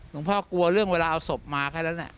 ลุงพ่อกลัวเรื่องเวลาเอาศพมาแค่แล้วนี่